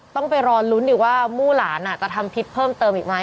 ต้องไปรอลุ้นอีกว่ามู่หลานจะทำพิษเพิ่มเติมอีกไหม